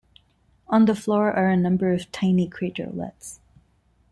On the floor are a number of tiny craterlets.